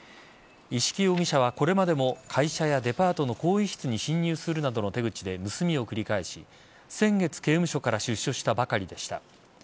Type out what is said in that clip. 一色容疑者はこれまでも会社やデパートの更衣室に侵入するなどの手口で盗みを繰り返し先月、刑務所から出所したばかりでした。